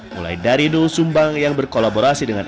mulai dari nu sumbang yang berkolaborasi dengan